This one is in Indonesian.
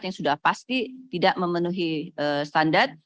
yang sudah pasti tidak memenuhi standar